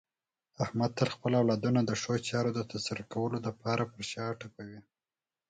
احمد تل خپل اولادونو د ښو چارو د ترسره کولو لپاره په شا ټپوي.